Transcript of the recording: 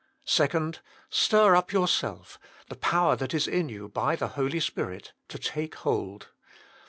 Second, stir up yourself, the power .that is in you by the Holy Spirit, to take hold.